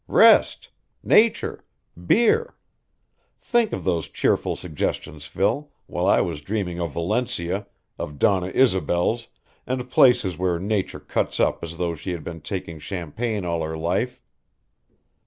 Rest! Nature! Beer! Think of those cheerful suggestions, Phil, while I was dreaming of Valencia, of Donna Isobels, and places where Nature cuts up as though she had been taking champagne all her life.